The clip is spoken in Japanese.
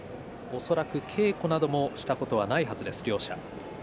恐らく稽古などもしたことはないはずです。